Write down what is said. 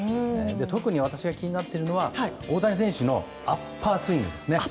特に私が気になっているのは大谷選手のアッパースイングです。